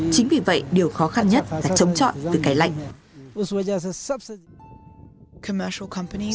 chính vì vậy điều khó khăn nhất là chống chọn vì cái lạnh